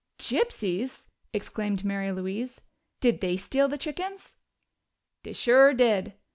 "Gypsies!" exclaimed Mary Louise. "Did they steal the chickens?" "Dey sure did.